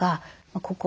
ここ